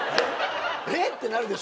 えっ！？ってなるでしょ